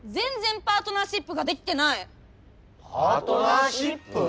パートナーシップ？